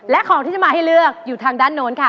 และของที่จะมาให้เลือกอยู่ทางด้านโน้นค่ะ